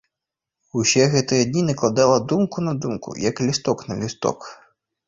Усе гэтыя дні накладала думку на думку, як лісток на лісток.